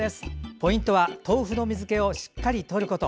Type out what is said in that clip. ポイントは豆腐の水けをしっかりとること。